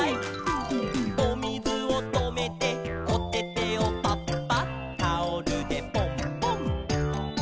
「おみずをとめておててをパッパッ」「タオルでポンポン」